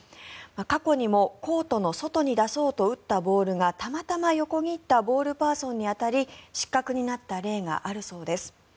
過去にも、コートの外に出そうと打ったボールがたまたま横切ったボールパーソンに当たり失格になった例があるそうです。